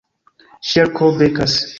Ŝerko Bekas